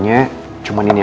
nah kita mau juris pak